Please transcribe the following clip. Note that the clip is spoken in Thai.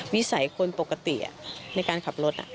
นิสัยคนปกติในการขับรถ